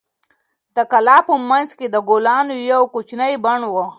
د کلا په منځ کې د ګلانو یو کوچنی بڼ و.